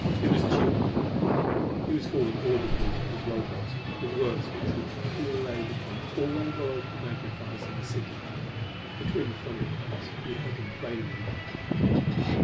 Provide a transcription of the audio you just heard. It was Tugh up there. He was calling audibly to his Robots, with words which would be relayed upon all the local magnifiers in the city. Between the thunder cracks we heard him plainly now.